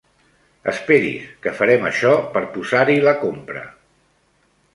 Esperi's que farem això per posar-hi la compra.